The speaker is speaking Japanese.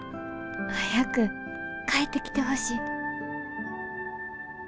早く帰ってきてほしい」。